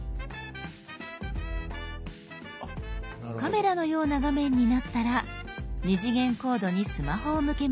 カメラのような画面になったら２次元コードにスマホを向けます。